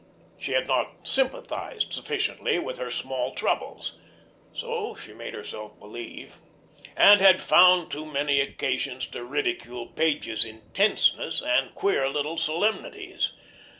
She had not sympathised sufficiently with her small troubles so she made herself believe and had found too many occasions to ridicule Page's intenseness and queer little solemnities.